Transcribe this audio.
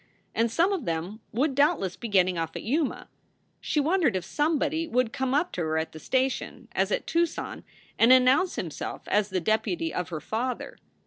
And some of them would doubtless be getting off at Yuma. She wondered if somebody would come up to her at the station, as at Tucson, and announce himself as the deputy of her father.